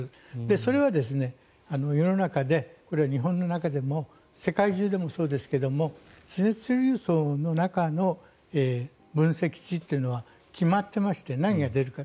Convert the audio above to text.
それは世の中で日本の中でも世界中でもそうですが地熱貯留槽からの分析値というのは決まっていまして何が出るか。